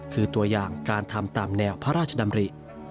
คือตัวอย่างการทำตามแนวพระราชดำริ